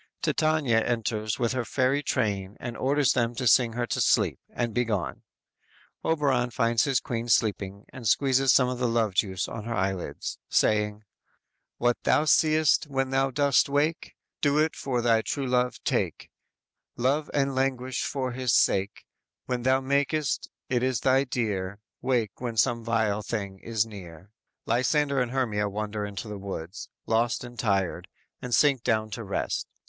"_ Titania enters with her fairy train and orders them to sing her to sleep, and be gone. Oberon finds his queen sleeping and squeezes some of the love juice on her eyelids, saying: _"What thou see'st when thou dost awake Do it for thy true love take; Love and languish for his sake; When thou makest, it is thy dear, Wake when some vile thing is near."_ Lysander and Hermia wander in the woods, lost and tired, and sink down to rest.